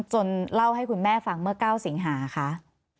เล่าให้คุณแม่ฟังเมื่อ๙สิงหาคะ